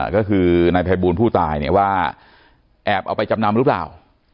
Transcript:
ก็คือนายภัยบูลผู้ตายเนี่ยว่าแอบเอาไปจำนำหรือเปล่า